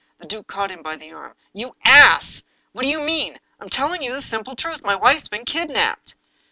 The duke caught him by the arm. "You ass! What do you mean? I am telling you the simple truth. My wife's been kidnaped."